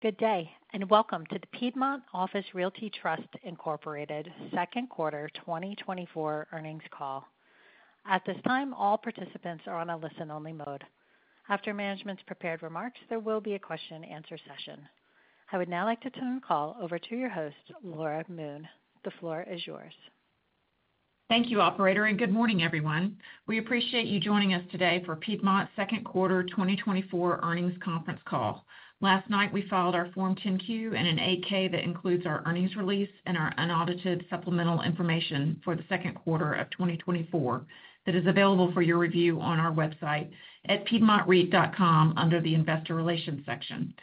Good day, and welcome to the Piedmont Office Realty Trust Incorporated Second Quarter 2024 Earnings Call. At this time, all participants are on a listen-only mode. After management's prepared remarks, there will be a question-and-answer session. I would now like to turn the call over to your host, Laura Moon. The floor is yours. Thank you, operator, and good morning, everyone. We appreciate you joining us today for Piedmont's second quarter 2024 earnings conference call. Last night, we filed our Form 10-Q and an 8-K that includes our earnings release and our unaudited supplemental information for the second quarter of 2024, that is available for your review on our website at piedmontreit.com under the Investor Relations section.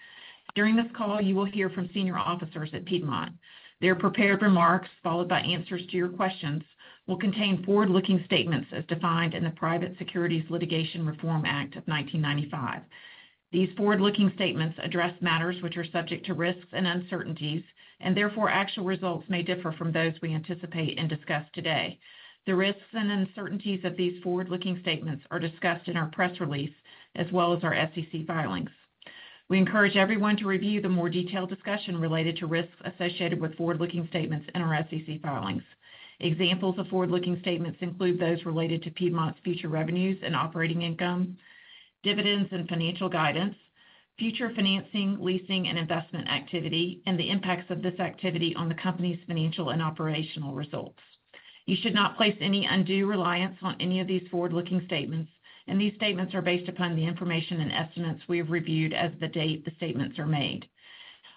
During this call, you will hear from senior officers at Piedmont. Their prepared remarks, followed by answers to your questions, will contain forward-looking statements as defined in the Private Securities Litigation Reform Act of 1995. These forward-looking statements address matters which are subject to risks and uncertainties, and therefore actual results may differ from those we anticipate and discuss today. The risks and uncertainties of these forward-looking statements are discussed in our press release as well as our SEC filings. We encourage everyone to review the more detailed discussion related to risks associated with forward-looking statements in our SEC filings. Examples of forward-looking statements include those related to Piedmont's future revenues and operating income, dividends and financial guidance, future financing, leasing, and investment activity, and the impacts of this activity on the company's financial and operational results. You should not place any undue reliance on any of these forward-looking statements, and these statements are based upon the information and estimates we have reviewed as of the date the statements are made.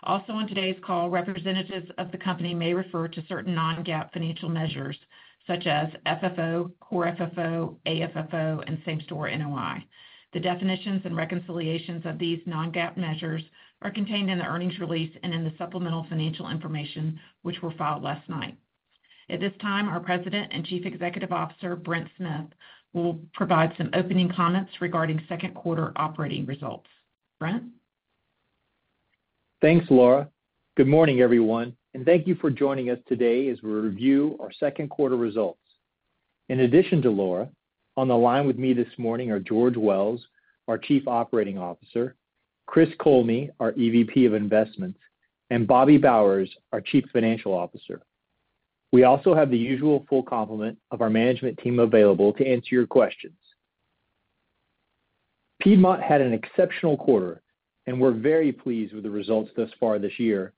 Also on today's call, representatives of the company may refer to certain non-GAAP financial measures, such as FFO, core FFO, AFFO, and same-store NOI. The definitions and reconciliations of these non-GAAP measures are contained in the earnings release and in the supplemental financial information, which were filed last night. At this time, our President and Chief Executive Officer, Brent Smith, will provide some opening comments regarding second quarter operating results. Brent? Thanks, Laura. Good morning, everyone, and thank you for joining us today as we review our second quarter results. In addition to Laura, on the line with me this morning are George Wells, our Chief Operating Officer, Chris Coleman, our EVP of Investments, and Bobby Bowers, our Chief Financial Officer. We also have the usual full complement of our management team available to answer your questions. Piedmont had an exceptional quarter, and we're very pleased with the results thus far this year.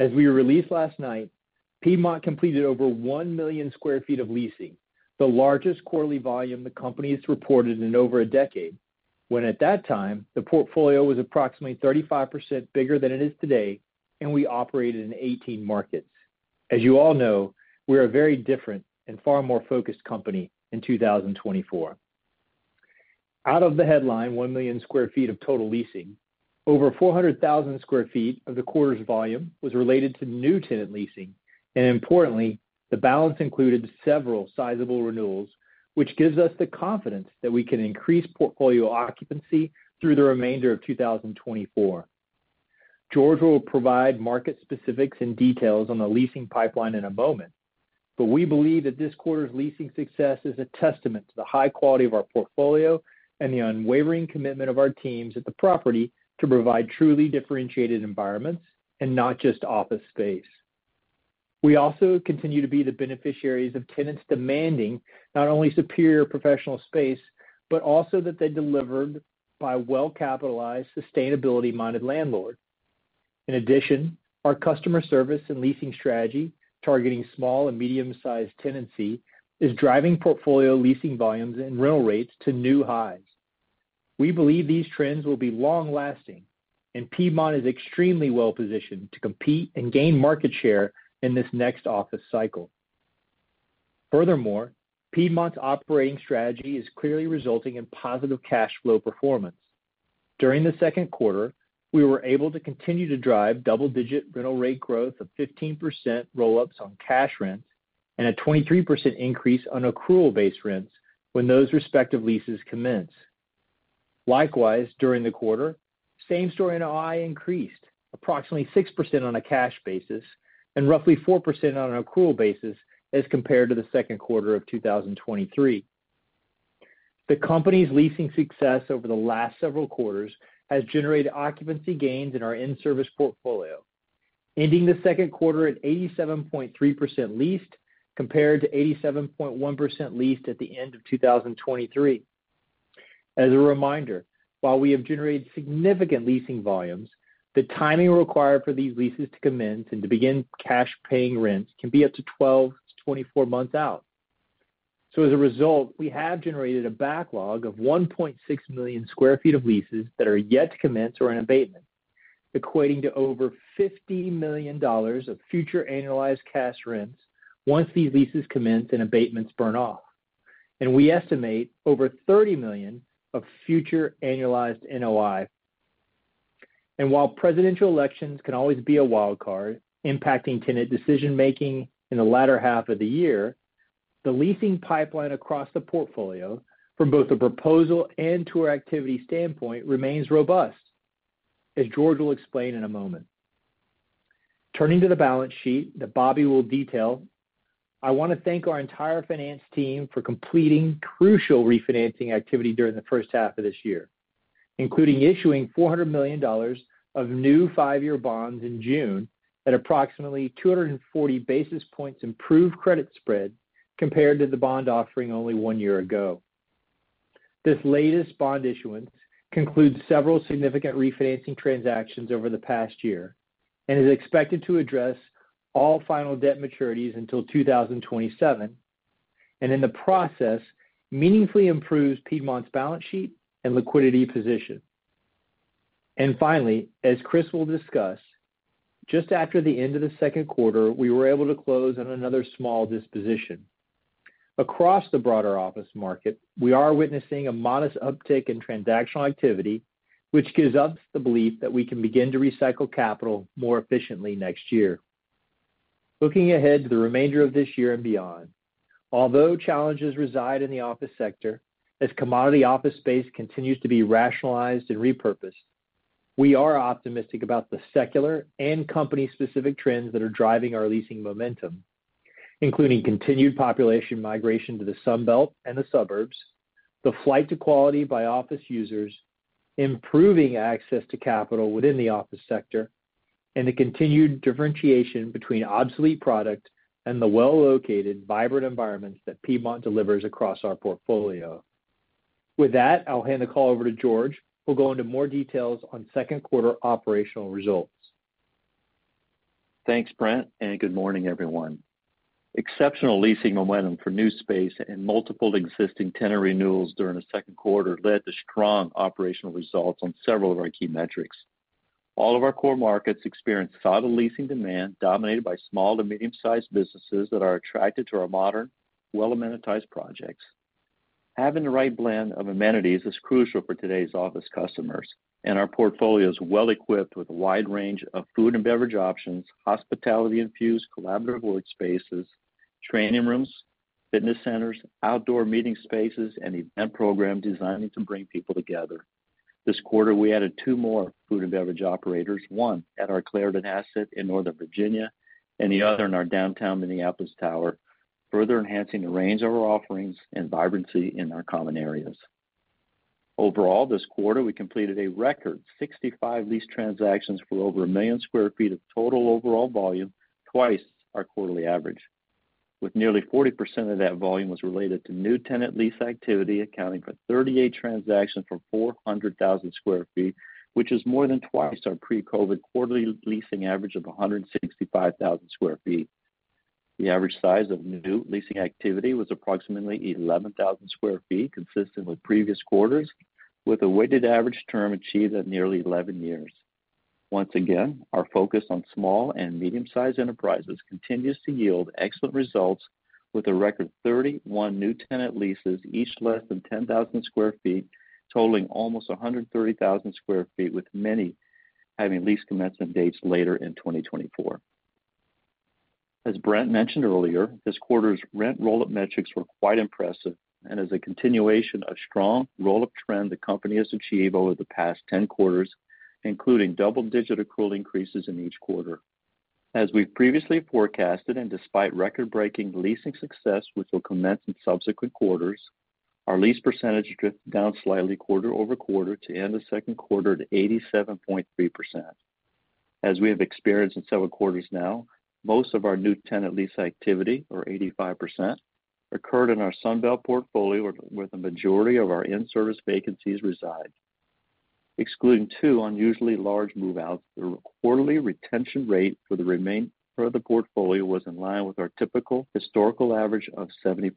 As was released last night, Piedmont completed over 1 million sq ft of leasing, the largest quarterly volume the company has reported in over a decade, when at that time, the portfolio was approximately 35% bigger than it is today, and we operated in 18 markets. As you all know, we are a very different and far more focused company in 2024. Out of the headline, 1 million sq ft of total leasing, over 400,000 sq ft of the quarter's volume was related to new tenant leasing, and importantly, the balance included several sizable renewals, which gives us the confidence that we can increase portfolio occupancy through the remainder of 2024. George will provide market specifics and details on the leasing pipeline in a moment, but we believe that this quarter's leasing success is a testament to the high quality of our portfolio and the unwavering commitment of our teams at the property to provide truly differentiated environments and not just office space. We also continue to be the beneficiaries of tenants demanding not only superior professional space, but also that they delivered by a well-capitalized, sustainability-minded landlord. In addition, our customer service and leasing strategy, targeting small and medium-sized tenancy, is driving portfolio leasing volumes and rental rates to new highs. We believe these trends will be long-lasting, and Piedmont is extremely well-positioned to compete and gain market share in this next office cycle. Furthermore, Piedmont's operating strategy is clearly resulting in positive cash flow performance. During the second quarter, we were able to continue to drive double-digit rental rate growth of 15% roll-ups on cash rents, and a 23% increase on accrual-based rents when those respective leases commence. Likewise, during the quarter, same store NOI increased approximately 6% on a cash basis and roughly 4% on an accrual basis as compared to the second quarter of 2023. The company's leasing success over the last several quarters has generated occupancy gains in our in-service portfolio, ending the second quarter at 87.3% leased, compared to 87.1% leased at the end of 2023. As a reminder, while we have generated significant leasing volumes, the timing required for these leases to commence and to begin cash paying rents can be up to 12-24 months out. So as a result, we have generated a backlog of 1.6 million sq ft of leases that are yet to commence or in abatement, equating to over $50 million of future annualized cash rents once these leases commence and abatements burn off. And we estimate over $30 million of future annualized NOI. And while presidential elections can always be a wild card, impacting tenant decision-making in the latter half of the year, the leasing pipeline across the portfolio, from both a proposal and tour activity standpoint, remains robust, as George will explain in a moment. Turning to the balance sheet that Bobby will detail, I want to thank our entire finance team for completing crucial refinancing activity during the first half of this year, including issuing $400 million of new five-year bonds in June at approximately 240 basis points improved credit spread compared to the bond offering only one year ago. This latest bond issuance concludes several significant refinancing transactions over the past year and is expected to address all final debt maturities until 2027, and in the process, meaningfully improves Piedmont's balance sheet and liquidity position. And finally, as Chris will discuss, just after the end of the second quarter, we were able to close on another small disposition. Across the broader office market, we are witnessing a modest uptick in transactional activity, which gives us the belief that we can begin to recycle capital more efficiently next year. Looking ahead to the remainder of this year and beyond, although challenges reside in the office sector, as commodity office space continues to be rationalized and repurposed, we are optimistic about the secular and company-specific trends that are driving our leasing momentum, including continued population migration to the Sun Belt and the suburbs, the flight to quality by office users, improving access to capital within the office sector, and the continued differentiation between obsolete product and the well-located, vibrant environments that Piedmont delivers across our portfolio. With that, I'll hand the call over to George, who'll go into more details on second quarter operational results. Thanks, Brent, and good morning, everyone. Exceptional leasing momentum for new space and multiple existing tenant renewals during the second quarter led to strong operational results on several of our key metrics. All of our core markets experienced solid leasing demand, dominated by small to medium-sized businesses that are attracted to our modern, well-amenitized projects. Having the right blend of amenities is crucial for today's office customers, and our portfolio is well equipped with a wide range of food and beverage options, hospitality-infused collaborative work spaces, training rooms, fitness centers, outdoor meeting spaces, and event program designing to bring people together. This quarter, we added two more food and beverage operators, one at our Clarendon asset in Northern Virginia and the other in our downtown Minneapolis tower, further enhancing the range of our offerings and vibrancy in our common areas. Overall, this quarter, we completed a record 65 lease transactions for over 1 million sq ft of total overall volume, twice our quarterly average, with nearly 40% of that volume was related to new tenant lease activity, accounting for 38 transactions for 400,000 sq ft, which is more than twice our pre-COVID quarterly leasing average of 165,000 sq ft. The average size of new leasing activity was approximately 11,000 sq ft, consistent with previous quarters, with a weighted average term achieved at nearly 11 years. Once again, our focus on small and medium-sized enterprises continues to yield excellent results, with a record 31 new tenant leases, each less than 10,000 sq ft, totaling almost 130,000 sq ft, with many having lease commencement dates later in 2024. As Brent mentioned earlier, this quarter's rent roll-up metrics were quite impressive and is a continuation of strong roll-up trend the company has achieved over the past 10 quarters, including double-digit accrual increases in each quarter. As we've previously forecasted, and despite record-breaking leasing success, which will commence in subsequent quarters, our lease percentage drifted down slightly quarter-over-quarter to end the second quarter at 87.3%. As we have experienced in several quarters now, most of our new tenant lease activity, or 85%, occurred in our Sun Belt portfolio, where the majority of our in-service vacancies reside. Excluding 2 unusually large move-outs, the quarterly retention rate for the remainder of the portfolio was in line with our typical historical average of 70%.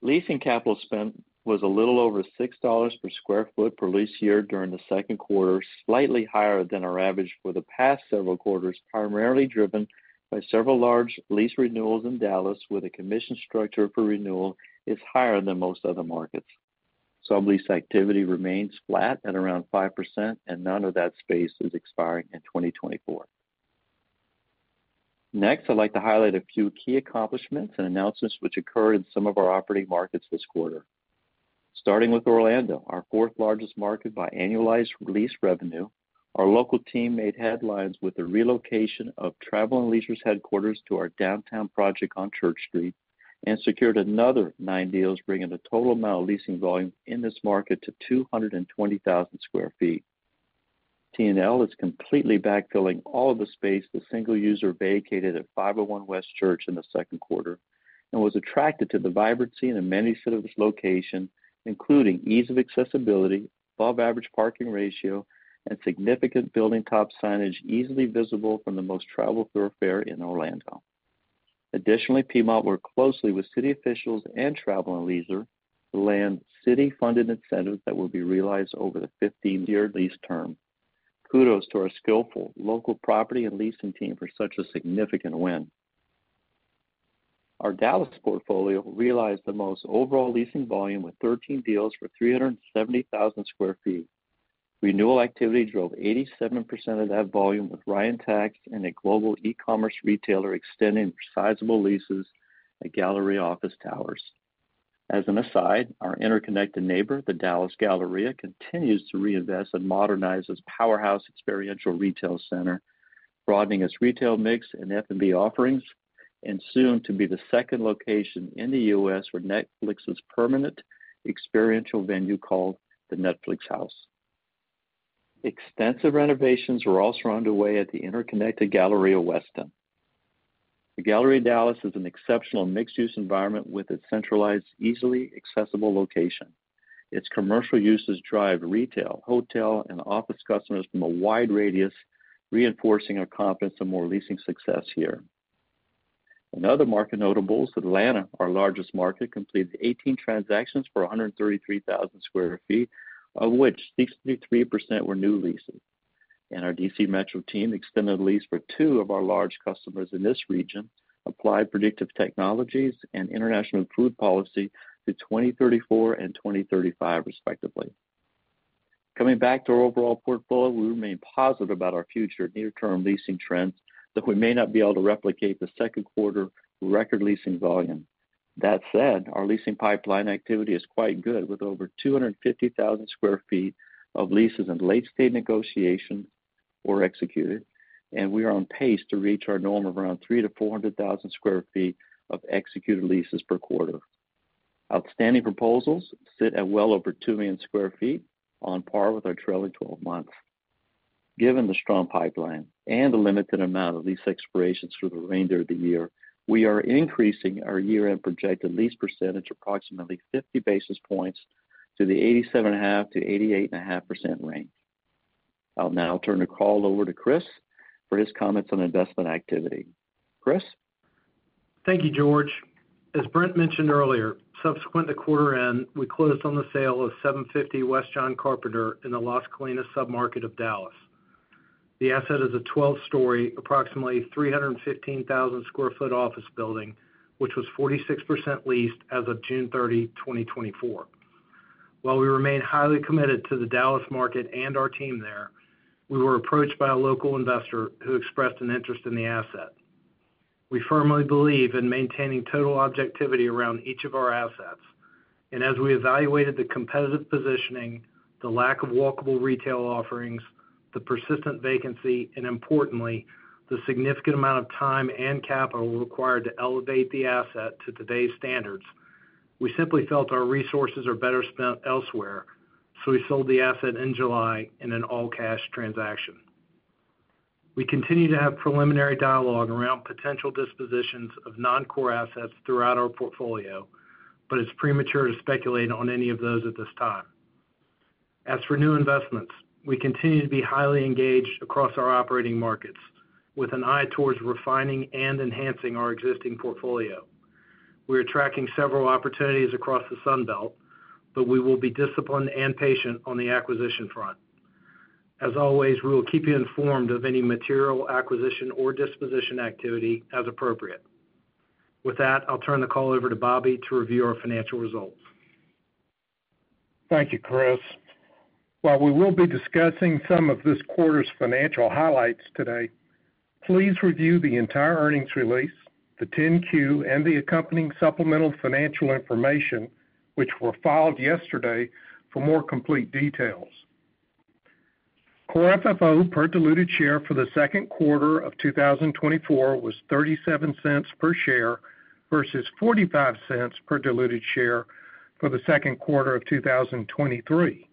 Leasing capital spend was a little over $6 per sq ft per lease year during the second quarter, slightly higher than our average for the past several quarters, primarily driven by several large lease renewals in Dallas, where the commission structure for renewal is higher than most other markets. Sublease activity remains flat at around 5%, and none of that space is expiring in 2024. Next, I'd like to highlight a few key accomplishments and announcements which occurred in some of our operating markets this quarter. Starting with Orlando, our fourth largest market by annualized lease revenue, our local team made headlines with the relocation of Travel and Leisure's headquarters to our downtown project on Church Street and secured another nine deals, bringing the total amount of leasing volume in this market to 220,000 sq ft. TNL is completely backfilling all of the space the single user vacated at 501 West Church in the second quarter and was attracted to the vibrancy and amenity of this location, including ease of accessibility, above average parking ratio, and significant building top signage, easily visible from the most traveled thoroughfare in Orlando. Additionally, Piedmont worked closely with city officials and Travel and Leisure to land city-funded incentives that will be realized over the 15-year lease term. Kudos to our skillful local property and leasing team for such a significant win. Our Dallas portfolio realized the most overall leasing volume with 13 deals for 370,000 sq ft. Renewal activity drove 87% of that volume, with Ryan and a global e-commerce retailer extending sizable leases at Galleria Office Towers.... As an aside, our interconnected neighbor, the Dallas Galleria, continues to reinvest and modernize its powerhouse experiential retail center, broadening its retail mix and F&B offerings, and soon to be the second location in the US where Netflix's permanent experiential venue, called the Netflix House. Extensive renovations were also underway at the interconnected Galleria Westin. The Galleria Dallas is an exceptional mixed-use environment with a centralized, easily accessible location. Its commercial uses drive retail, hotel, and office customers from a wide radius, reinforcing our confidence of more leasing success here. In other market notables, Atlanta, our largest market, completed 18 transactions for 133,000 sq ft, of which 63% were new leases. Our DC Metro team extended the lease for two of our large customers in this region, Applied Predictive Technologies and International Food Policy, to 2034 and 2035 respectively. Coming back to our overall portfolio, we remain positive about our future near-term leasing trends, though we may not be able to replicate the second quarter record leasing volume. That said, our leasing pipeline activity is quite good, with over 250,000 sq ft of leases in late-stage negotiation or executed, and we are on pace to reach our norm of around 300,000-400,000 sq ft of executed leases per quarter. Outstanding proposals sit at well over 2 million sq ft, on par with our trailing twelve months. Given the strong pipeline and the limited amount of lease expirations through the remainder of the year, we are increasing our year-end projected lease percentage approximately 50 basis points to the 87.5%-88.5% range. I'll now turn the call over to Chris for his comments on investment activity. Chris? Thank you, George. As Brent mentioned earlier, subsequent to quarter end, we closed on the sale of 750 West John Carpenter in the Las Colinas submarket of Dallas. The asset is a 12-story, approximately 315,000 sq ft office building, which was 46% leased as of June 30, 2024. While we remain highly committed to the Dallas market and our team there, we were approached by a local investor who expressed an interest in the asset. We firmly believe in maintaining total objectivity around each of our assets, and as we evaluated the competitive positioning, the lack of walkable retail offerings, the persistent vacancy, and importantly, the significant amount of time and capital required to elevate the asset to today's standards, we simply felt our resources are better spent elsewhere, so we sold the asset in July in an all-cash transaction. We continue to have preliminary dialogue around potential dispositions of non-core assets throughout our portfolio, but it's premature to speculate on any of those at this time. As for new investments, we continue to be highly engaged across our operating markets, with an eye towards refining and enhancing our existing portfolio. We are tracking several opportunities across the Sun Belt, but we will be disciplined and patient on the acquisition front. As always, we will keep you informed of any material acquisition or disposition activity as appropriate. With that, I'll turn the call over to Bobby to review our financial results. Thank you, Chris. While we will be discussing some of this quarter's financial highlights today, please review the entire earnings release, the 10-Q, and the accompanying supplemental financial information, which were filed yesterday, for more complete details. Core FFO per diluted share for the second quarter of 2024 was $0.37 per share versus $0.45 per diluted share for the second quarter of 2023.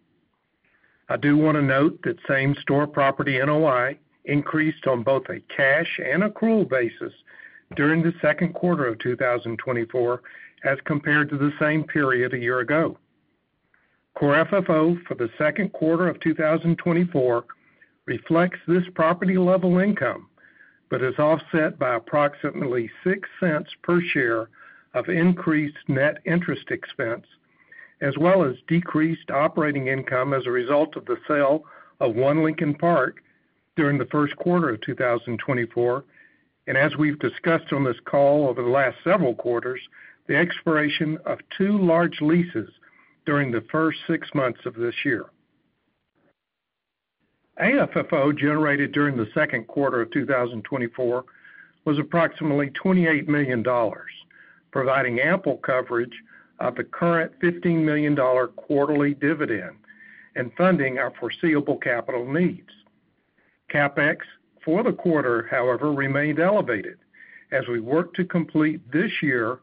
I do want to note that same-store property NOI increased on both a cash and accrual basis during the second quarter of 2024 as compared to the same period a year ago. Core FFO for the second quarter of 2024 reflects this property-level income, but is offset by approximately $0.06 per share of increased net interest expense, as well as decreased operating income as a result of the sale of One Lincoln Park during the first quarter of 2024, and as we've discussed on this call over the last several quarters, the expiration of 2 large leases during the first 6 months of this year. AFFO generated during the second quarter of 2024 was approximately $28 million, providing ample coverage of the current $15 million quarterly dividend and funding our foreseeable capital needs. CapEx for the quarter, however, remained elevated as we work to complete this year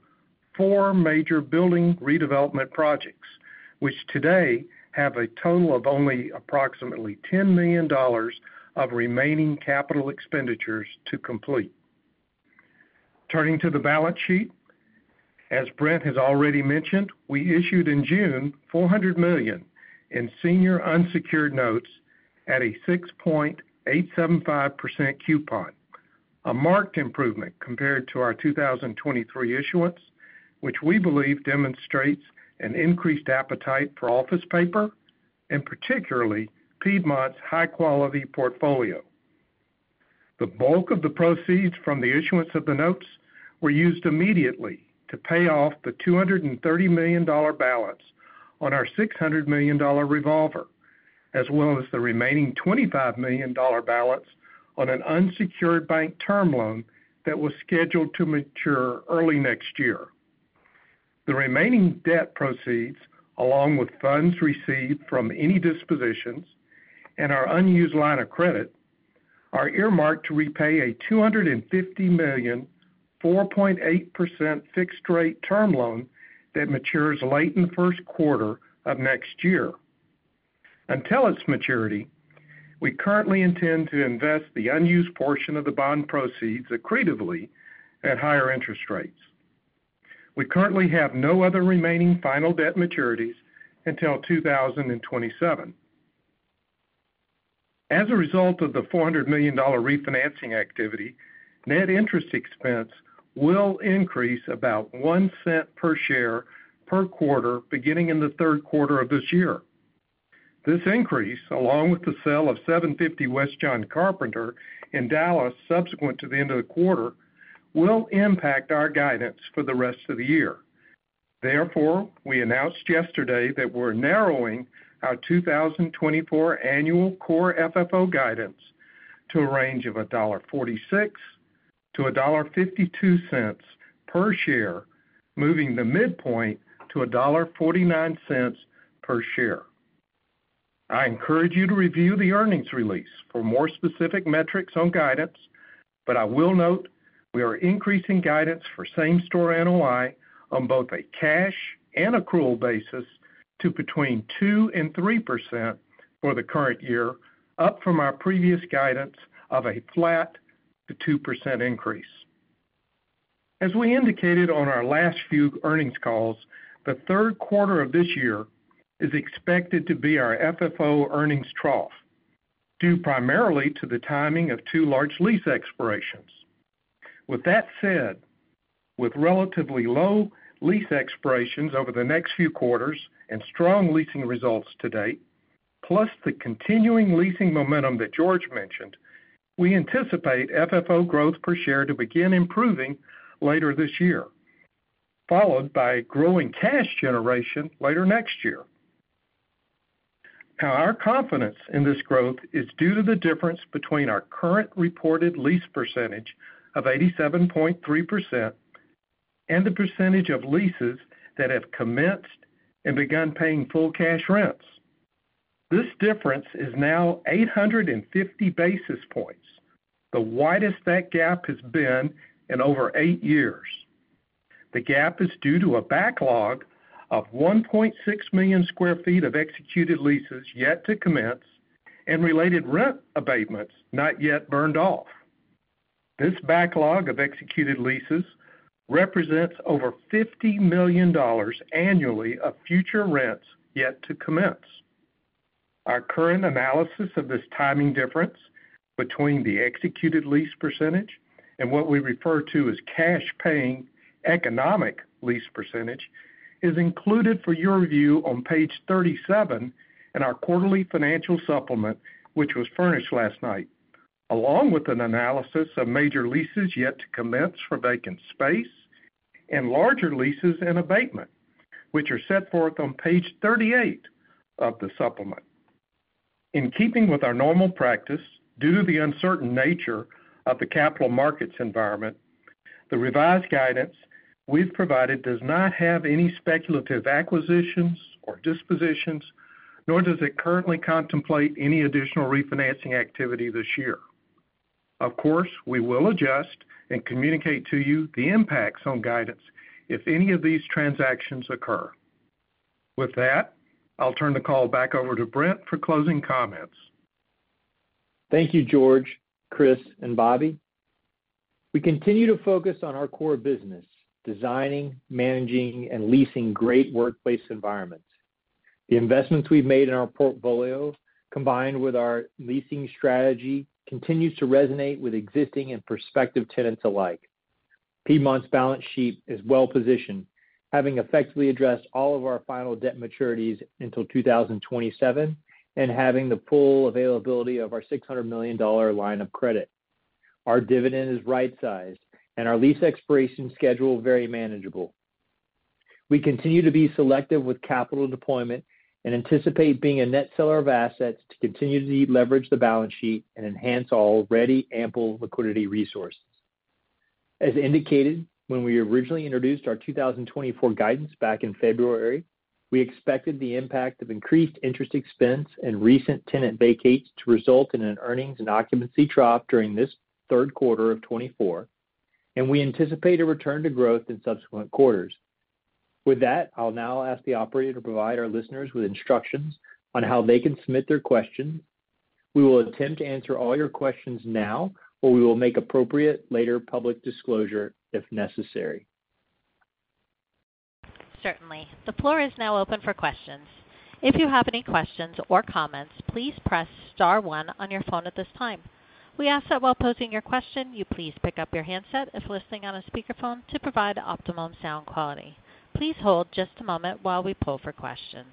4 major building redevelopment projects, which today have a total of only approximately $10 million of remaining capital expenditures to complete. Turning to the balance sheet. As Brent has already mentioned, we issued in June $400 million in senior unsecured notes at a 6.875% coupon, a marked improvement compared to our 2023 issuance, which we believe demonstrates an increased appetite for office paper and particularly Piedmont's high-quality portfolio. The bulk of the proceeds from the issuance of the notes were used immediately to pay off the $230 million balance on our $600 million revolver as well as the remaining $25 million balance on an unsecured bank term loan that was scheduled to mature early next year. The remaining debt proceeds, along with funds received from any dispositions and our unused line of credit, are earmarked to repay a $250 million, 4.8% fixed rate term loan that matures late in the first quarter of next year. Until its maturity, we currently intend to invest the unused portion of the bond proceeds accretively at higher interest rates. We currently have no other remaining final debt maturities until 2027. As a result of the $400 million refinancing activity, net interest expense will increase about $0.01 per share, per quarter, beginning in the third quarter of this year. This increase, along with the sale of 750 West John Carpenter in Dallas, subsequent to the end of the quarter, will impact our guidance for the rest of the year. Therefore, we announced yesterday that we're narrowing our 2024 annual core FFO guidance to a range of $1.46-$1.52 per share, moving the midpoint to $1.49 per share. I encourage you to review the earnings release for more specific metrics on guidance, but I will note we are increasing guidance for same-store NOI on both a cash and accrual basis to between 2%-3% for the current year, up from our previous guidance of a flat to 2% increase. As we indicated on our last few earnings calls, the third quarter of this year is expected to be our FFO earnings trough, due primarily to the timing of two large lease expirations. With that said, with relatively low lease expirations over the next few quarters and strong leasing results to date, plus the continuing leasing momentum that George mentioned, we anticipate FFO growth per share to begin improving later this year, followed by growing cash generation later next year. Now, our confidence in this growth is due to the difference between our current reported lease percentage of 87.3% and the percentage of leases that have commenced and begun paying full cash rents. This difference is now 850 basis points, the widest that gap has been in over eight years. The gap is due to a backlog of 1.6 million sq ft of executed leases yet to commence and related rent abatements not yet burned off. This backlog of executed leases represents over $50 million annually of future rents yet to commence. Our current analysis of this timing difference between the executed lease percentage and what we refer to as cash-paying, economic lease percentage, is included for your review on page 37 in our quarterly financial supplement, which was furnished last night. Along with an analysis of major leases yet to commence for vacant space and larger leases and abatement, which are set forth on page 38 of the supplement. In keeping with our normal practice, due to the uncertain nature of the capital markets environment, the revised guidance we've provided does not have any speculative acquisitions or dispositions, nor does it currently contemplate any additional refinancing activity this year. Of course, we will adjust and communicate to you the impacts on guidance if any of these transactions occur. With that, I'll turn the call back over to Brent for closing comments. Thank you, George, Chris, and Bobby. We continue to focus on our core business: designing, managing, and leasing great workplace environments. The investments we've made in our portfolio, combined with our leasing strategy, continues to resonate with existing and prospective tenants alike. Piedmont's balance sheet is well positioned, having effectively addressed all of our final debt maturities until 2027, and having the full availability of our $600 million line of credit. Our dividend is right-sized and our lease expiration schedule, very manageable. We continue to be selective with capital deployment and anticipate being a net seller of assets to continue to deleverage the balance sheet and enhance our already ample liquidity resources. As indicated, when we originally introduced our 2024 guidance back in February, we expected the impact of increased interest expense and recent tenant vacates to result in an earnings and occupancy trough during this third quarter of 2024, and we anticipate a return to growth in subsequent quarters. With that, I'll now ask the operator to provide our listeners with instructions on how they can submit their questions. We will attempt to answer all your questions now, or we will make appropriate later public disclosure if necessary. Certainly. The floor is now open for questions. If you have any questions or comments, please press star one on your phone at this time. We ask that while posing your question, you please pick up your handset as listening on a speakerphone to provide optimum sound quality. Please hold just a moment while we poll for questions.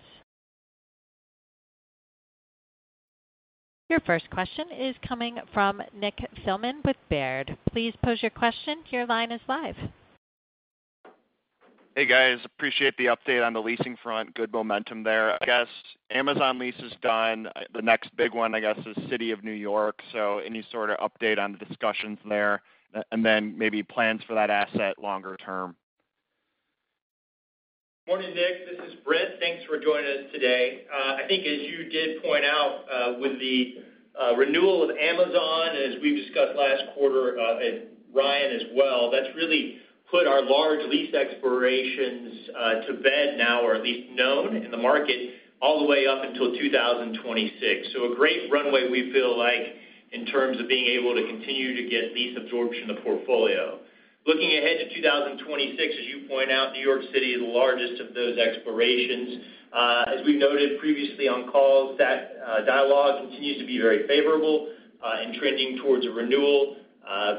Your first question is coming from Nick Thillman with Baird. Please pose your question. Your line is live. ... Hey, guys, appreciate the update on the leasing front. Good momentum there. I guess Amazon lease is done. The next big one, I guess, is City of New York. So any sort of update on the discussions there, and then maybe plans for that asset longer term? Morning, Nick, this is Brent. Thanks for joining us today. I think as you did point out, with the renewal of Amazon, as we've discussed last quarter, at Ryan as well, that's really put our large lease expirations to bed now, or at least known in the market, all the way up until 2026. So a great runway, we feel like, in terms of being able to continue to get lease absorption in the portfolio. Looking ahead to 2026, as you point out, New York City is the largest of those expirations. As we've noted previously on calls, that dialogue continues to be very favorable, and trending towards a renewal.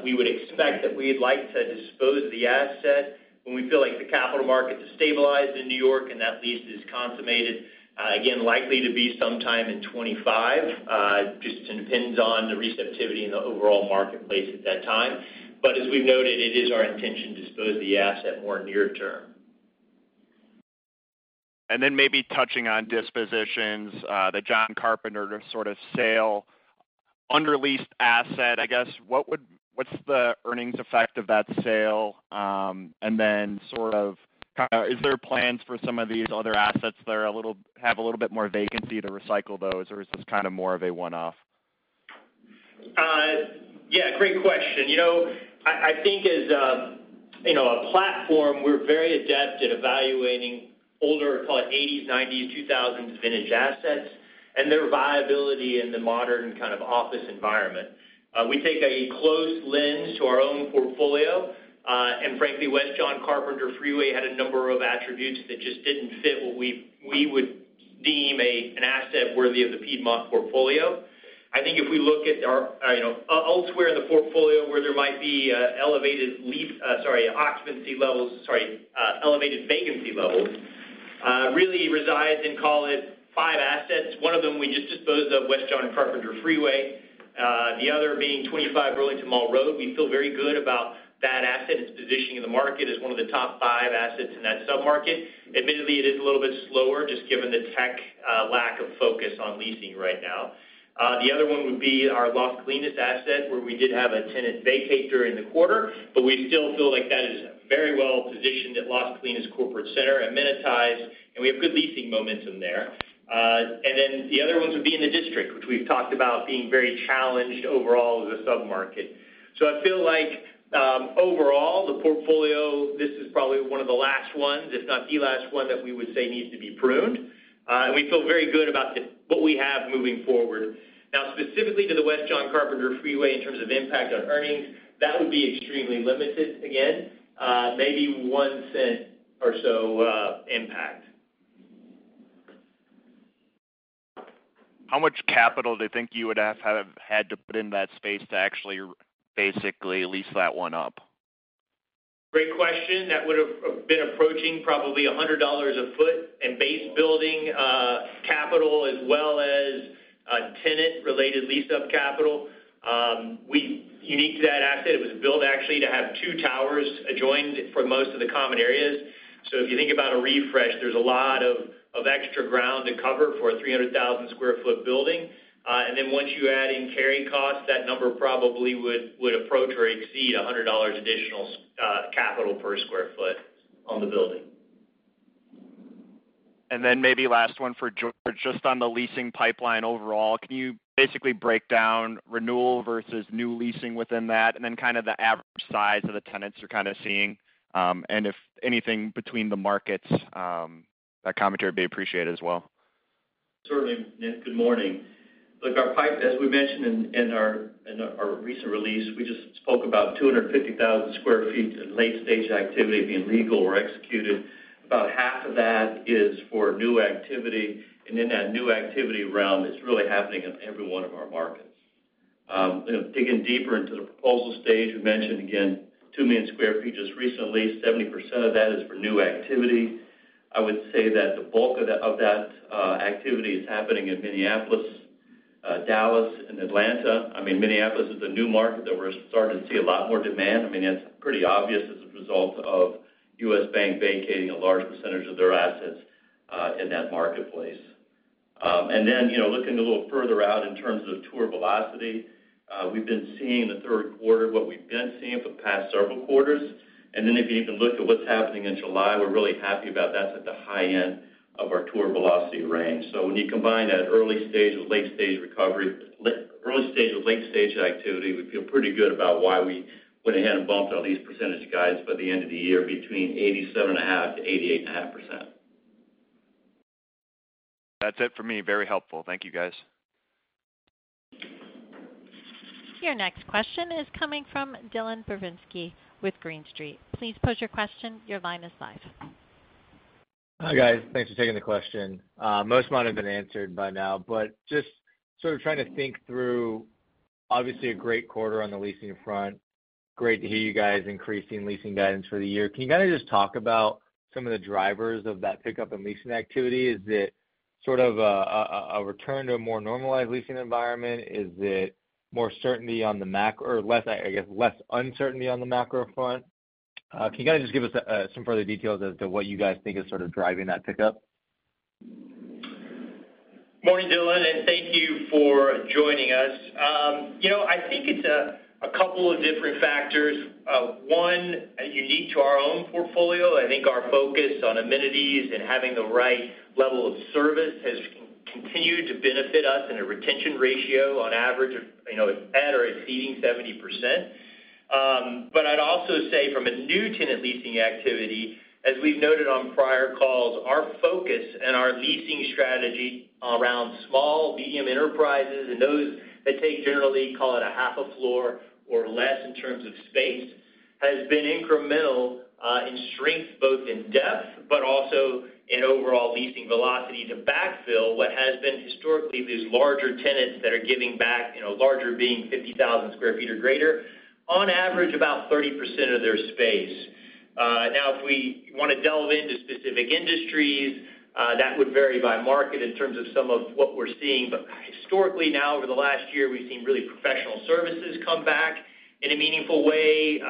We would expect that we'd like to dispose of the asset when we feel like the capital markets have stabilized in New York, and that lease is consummated. Again, likely to be sometime in 2025. Just depends on the receptivity in the overall marketplace at that time. But as we've noted, it is our intention to dispose the asset more near term. And then maybe touching on dispositions, the John Carpenter sort of sale, underleased asset, I guess, what's the earnings effect of that sale? And then sort of, is there plans for some of these other assets that have a little bit more vacancy to recycle those, or is this kind of more of a one-off? Yeah, great question. You know, I think as you know, a platform, we're very adept at evaluating older, call it eighties, nineties, two thousands vintage assets, and their viability in the modern kind of office environment. We take a close lens to our own portfolio. And frankly, West John Carpenter Freeway had a number of attributes that just didn't fit what we would deem an asset worthy of the Piedmont portfolio. I think if we look at our, you know, elsewhere in the portfolio, where there might be elevated vacancy levels really resides in, call it, five assets. One of them we just disposed of, West John Carpenter Freeway, the other being 25 Burlington Mall Road. We feel very good about that asset. Its positioning in the market is one of the top five assets in that submarket. Admittedly, it is a little bit slower, just given the tech, lack of focus on leasing right now. The other one would be our Las Colinas asset, where we did have a tenant vacate during the quarter, but we still feel like that is very well positioned at Las Colinas Corporate Center, amenitized, and we have good leasing momentum there. And then the other ones would be in the District, which we've talked about being very challenged overall as a submarket. So I feel like, overall, the portfolio, this is probably one of the last ones, if not the last one, that we would say needs to be pruned. And we feel very good about what we have moving forward. Now, specifically to the West John Carpenter Freeway, in terms of impact on earnings, that would be extremely limited again, maybe $0.01 or so impact. How much capital do you think you would have had to put in that space to actually basically lease that one up? Great question. That would've been approaching probably $100 a foot in base building capital as well as a tenant-related lease-up capital. Unique to that asset, it was built actually to have two towers adjoined for most of the common areas. So if you think about a refresh, there's a lot of extra ground to cover for a 300,000 sq ft building. And then once you add in carrying costs, that number probably would approach or exceed $100 additional capital per sq ft on the building. And then maybe last one for George. Just on the leasing pipeline overall, can you basically break down renewal versus new leasing within that, and then kind of the average size of the tenants you're kind of seeing, and if anything, between the markets, that commentary would be appreciated as well? Certainly, Nick. Good morning. Look, our pipeline, as we mentioned in our recent release, we just spoke about 250,000 sq ft in late-stage activity being leased or executed. About half of that is for new activity, and in that new activity realm, it's really happening in every one of our markets. You know, digging deeper into the proposal stage, we mentioned again, 2 million sq ft just recently. 70% of that is for new activity. I would say that the bulk of that activity is happening in Minneapolis, Dallas, and Atlanta. I mean, Minneapolis is a new market that we're starting to see a lot more demand. I mean, that's pretty obvious as a result of U.S. Bank vacating a large percentage of their assets in that marketplace. And then, you know, looking a little further out in terms of tour velocity, we've been seeing in the third quarter what we've been seeing for the past several quarters. And then if you even look at what's happening in July, we're really happy about that. That's at the high end of our tour velocity range. So when you combine that early stage with late-stage activity, we feel pretty good about why we went ahead and bumped our lease percentage guides by the end of the year between 87.5% and 88.5%. That's it for me. Very helpful. Thank you, guys. Your next question is coming from Dylan Burzinski with Green Street. Please pose your question. Your line is live. Hi, guys. Thanks for taking the question. Most of them have been answered by now, but just sort of trying to think through, obviously, a great quarter on the leasing front. Great to hear you guys increasing leasing guidance for the year. Can you kind of just talk about some of the drivers of that pickup in leasing activity? Is it sort of a return to a more normalized leasing environment? Is it more certainty on the macro or less, I guess, less uncertainty on the macro front? Can you kind of just give us some further details as to what you guys think is sort of driving that pickup? Morning, Dylan, and thank you for joining us. You know, I think it's a couple of different factors. One, unique to our own portfolio, I think our focus on amenities and having the right level of service has continued to benefit us in a retention ratio on average of, you know, at or exceeding 70%. But I'd also say from a new tenant leasing activity, as we've noted on prior calls, our focus and our leasing strategy around small, medium enterprises and those that take generally, call it a half a floor or less in terms of space, has been incremental in strength, both in depth, but also in overall leasing velocity to backfill what has been historically, these larger tenants that are giving back, you know, larger being 50,000 sq ft or greater, on average, about 30% of their space. Now, if we want to delve into specific industries, that would vary by market in terms of some of what we're seeing. But historically, now, over the last year, we've seen really professional services come back in a meaningful way,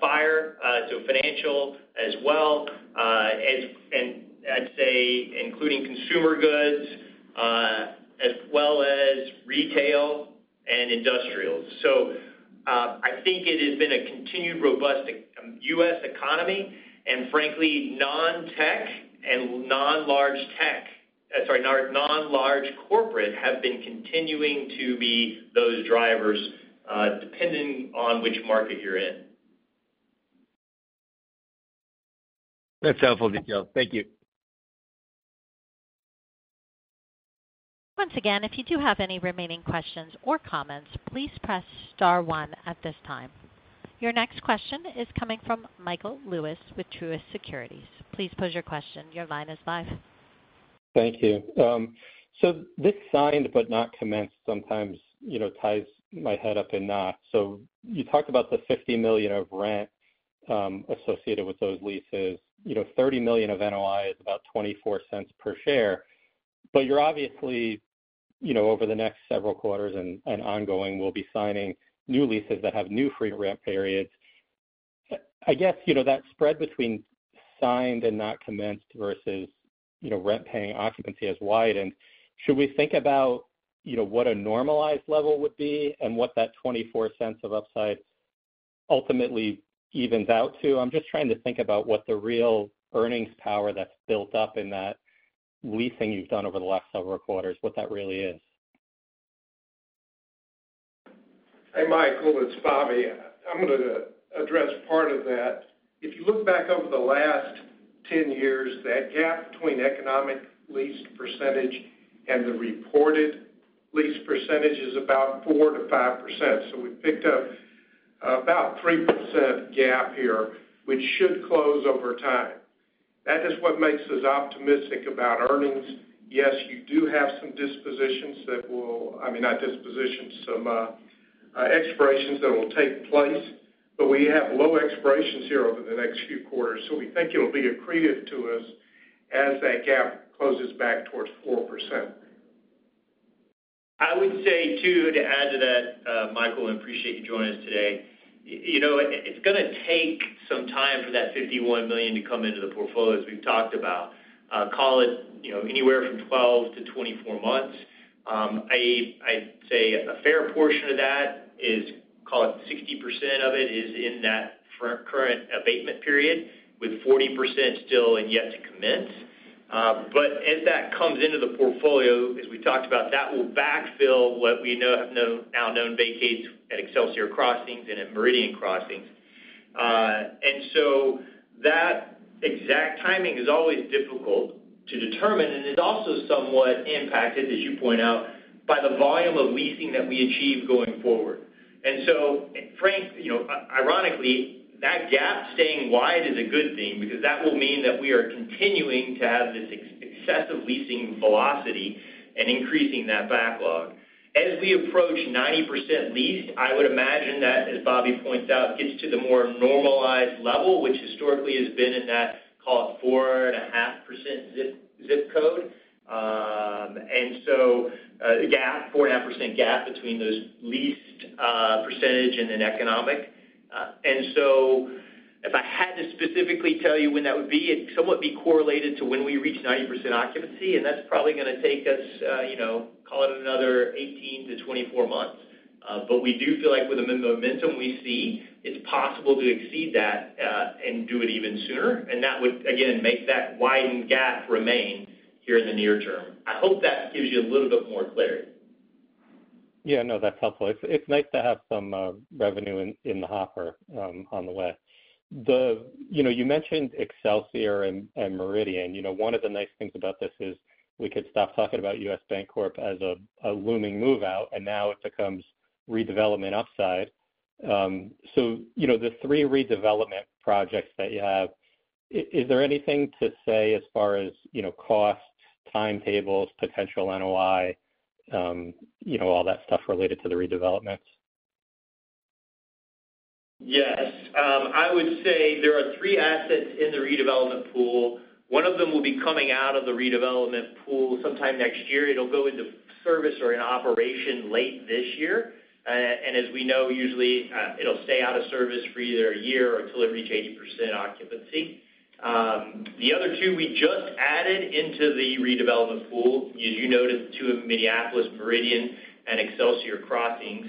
so financial as well, and I'd say, including consumer goods, as well as retail and industrials. So, I think it has been a continued robust, U.S. economy and frankly, non-tech and non-large tech, sorry, non-large corporate, have been continuing to be those drivers, depending on which market you're in. That's helpful, Michelle. Thank you. Once again, if you do have any remaining questions or comments, please press star one at this time. Your next question is coming from Michael Lewis with Truist Securities. Please pose your question. Your line is live. Thank you. So this signed but not commenced sometimes, you know, ties my head up in knot. So you talked about the $50 million of rent associated with those leases. You know, $30 million of NOI is about 24 cents per share, but you're obviously, you know, over the next several quarters and ongoing, will be signing new leases that have new free rent periods. I guess, you know, that spread between signed and not commenced versus, you know, rent-paying occupancy has widened. Should we think about, you know, what a normalized level would be and what that 24 cents of upside ultimately evens out to? I'm just trying to think about what the real earnings power that's built up in that leasing you've done over the last several quarters, what that really is. Hey, Michael, it's Bobby. I'm gonna address part of that. If you look back over the last 10 years, that gap between economic leased percentage and the reported leased percentage is about 4%-5%. So we've picked up about 3% gap here, which should close over time. That is what makes us optimistic about earnings. Yes, you do have some dispositions that will... I mean, not dispositions, some expirations that will take place, but we have low expirations here over the next few quarters, so we think it'll be accretive to us as that gap closes back towards 4%. I would say, too, to add to that, Michael, I appreciate you joining us today. You know, it's gonna take some time for that $51 million to come into the portfolio, as we've talked about. Call it, you know, anywhere from 12-24 months. I, I'd say a fair portion of that is, call it 60% of it, is in that front-current abatement period, with 40% still and yet to commence. But as that comes into the portfolio, as we talked about, that will backfill what we know, have known, now known vacates at Excelsior Crossings and at Meridian Crossings. And so that exact timing is always difficult to determine, and it's also somewhat impacted, as you point out, by the volume of leasing that we achieve going forward. You know, ironically, that gap staying wide is a good thing because that will mean that we are continuing to have this excessive leasing velocity and increasing that backlog. As we approach 90% leased, I would imagine that, as Bobby pointed out, gets to the more normalized level, which historically has been in that, call it, 4.5% zip code. Gap, 4.5% gap between those leased percentage and then economic. If I had to specifically tell you when that would be, it'd somewhat be correlated to when we reach 90% occupancy, and that's probably gonna take us, you know, call it another 18-24 months. But we do feel like with the momentum we see, it's possible to exceed that, and do it even sooner, and that would, again, make that widened gap remain here in the near term. I hope that gives you a little bit more clarity. Yeah, no, that's helpful. It's nice to have some revenue in the hopper on the way. You know, you mentioned Excelsior and Meridian. You know, one of the nice things about this is we could stop talking about U.S. Bancorp as a looming move out, and now it becomes redevelopment upside. So, you know, the three redevelopment projects that you have, is there anything to say as far as, you know, cost, timetables, potential NOI, you know, all that stuff related to the redevelopments?... Yes, I would say there are three assets in the redevelopment pool. One of them will be coming out of the redevelopment pool sometime next year. It'll go into service or in operation late this year. As we know, usually, it'll stay out of service for either a year or until it reaches 80% occupancy. The other two we just added into the redevelopment pool. As you noted, two of them, Minneapolis, Meridian, and Excelsior Crossings.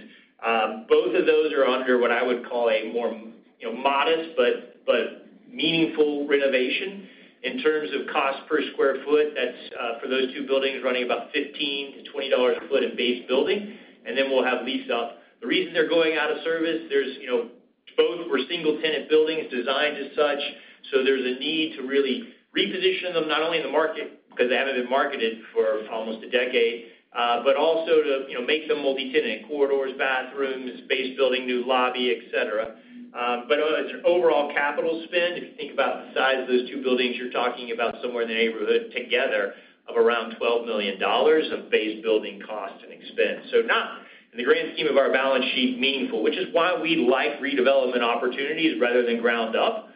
Both of those are under what I would call a more, you know, modest but meaningful renovation. In terms of cost per sq ft, that's for those two buildings, running about $15-$20 a foot in base building, and then we'll have lease up. The reason they're going out of service, there's, you know, both were single-tenant buildings, designed as such, so there's a need to really reposition them, not only in the market, 'cause they haven't been marketed for almost a decade, but also to, you know, make them multi-tenant. Corridors, bathrooms, space building, new lobby, et cetera. But as your overall capital spend, if you think about the size of those two buildings, you're talking about somewhere in the neighborhood together of around $12 million of base building costs and expense. So not in the grand scheme of our balance sheet, meaningful, which is why we like redevelopment opportunities rather than ground up.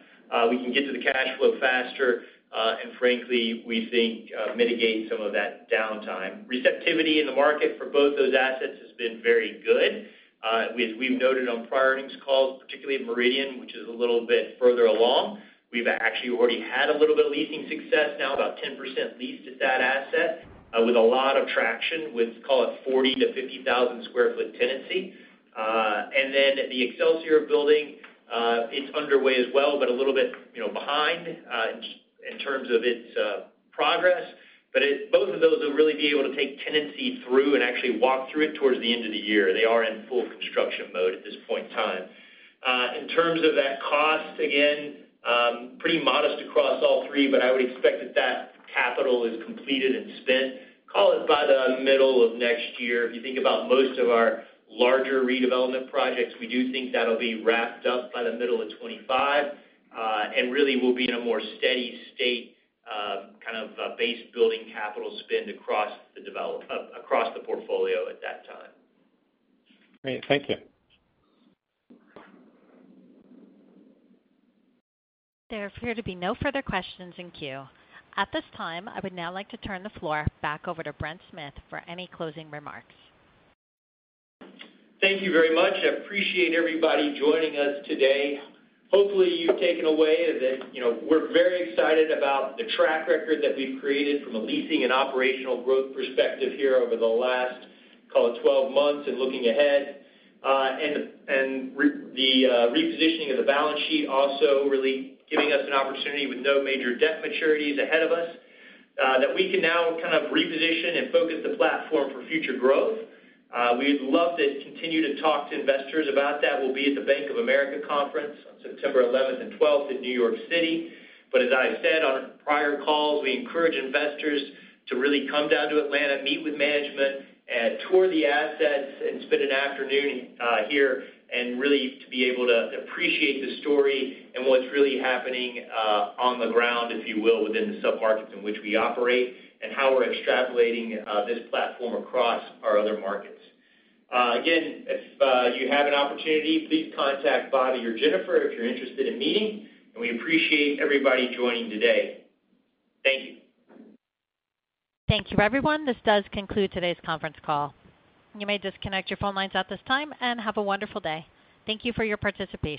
We can get to the cash flow faster, and frankly, we think, mitigate some of that downtime. Receptivity in the market for both those assets has been very good. We've, we've noted on prior earnings calls, particularly Meridian, which is a little bit further along. We've actually already had a little bit of leasing success, now about 10% leased at that asset, with a lot of traction, with, call it, 40,000-50,000 sq ft tenancy. And then the Excelsior Building, it's underway as well, but a little bit, you know, behind, in terms of its, progress. But it-- both of those will really be able to take tenancy through and actually walk through it towards the end of the year. They are in full construction mode at this point in time. In terms of that cost, again, pretty modest across all three, but I would expect that, that capital is completed and spent, call it by the middle of next year. If you think about most of our larger redevelopment projects, we do think that'll be wrapped up by the middle of 2025, and really we'll be in a more steady state, kind of, base building capital spend across the portfolio at that time. Great. Thank you. There appear to be no further questions in queue. At this time, I would now like to turn the floor back over to Brent Smith for any closing remarks. Thank you very much. I appreciate everybody joining us today. Hopefully, you've taken away is that, you know, we're very excited about the track record that we've created from a leasing and operational growth perspective here over the last, call it, 12 months and looking ahead. And the repositioning of the balance sheet, also really giving us an opportunity with no major debt maturities ahead of us, that we can now kind of reposition and focus the platform for future growth. We'd love to continue to talk to investors about that. We'll be at the Bank of America conference on September eleventh and twelfth in New York City. But as I've said on our prior calls, we encourage investors to really come down to Atlanta, meet with management, and tour the assets, and spend an afternoon, here, and really to be able to appreciate the story and what's really happening, on the ground, if you will, within the submarkets in which we operate, and how we're extrapolating this platform across our other markets. Again, if you have an opportunity, please contact Bobby or Jennifer if you're interested in meeting, and we appreciate everybody joining today. Thank you. Thank you, everyone. This does conclude today's conference call. You may disconnect your phone lines at this time, and have a wonderful day. Thank you for your participation.